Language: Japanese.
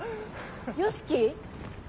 良樹？